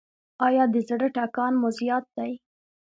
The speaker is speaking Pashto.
ایا د زړه ټکان مو زیات دی؟